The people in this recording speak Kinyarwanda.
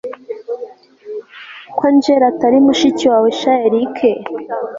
ko angella atari mushiki wawe sha eric